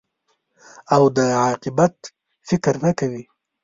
او د عاقبت فکر نه کوې.